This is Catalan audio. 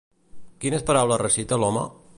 Quines paraules recita l'home?